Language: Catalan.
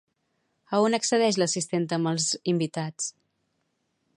A on accedeix l'assistenta amb els invitats?